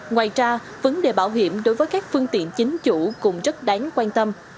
ngoài ra vấn đề bảo hiểm đối với các phương tiện chính chủ cũng rất đáng quan tâm